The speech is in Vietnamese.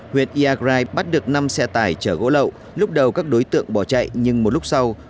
huyện iagrai bắt được năm xe tải chở gỗ lậu lúc đầu các đối tượng bỏ chạy nhưng một lúc sau